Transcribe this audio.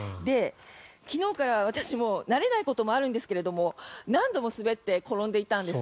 昨日から私慣れないこともあるんですが何度も滑って転んでいたんです。